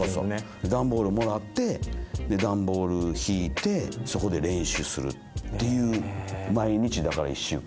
段ボールもらって段ボール敷いてそこで練習するっていう毎日だから１週間。